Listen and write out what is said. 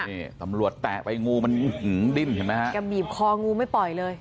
นี่ตำรวจแตะไปงูมันดิ้นเห็นไหมฮะแกบีบคองูไม่ปล่อยเลย